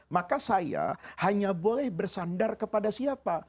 maka saya hanya boleh bersandar kepada siapa